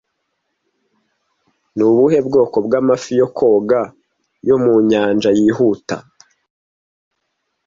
Ni ubuhe bwoko bw'amafi yo koga yo mu nyanja yihuta